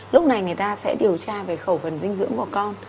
lúc này người ta sẽ điều tra về khẩu phần dinh dưỡng của con